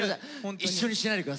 一緒にしないで下さい。